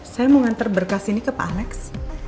saya mau ngantar berkas ini ke pak aleks